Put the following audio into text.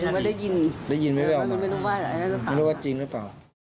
หมายถึงว่าได้ยินไม่รู้ว่าจริงหรือเปล่าอ๋อไม่รู้ว่าจริงหรือเปล่า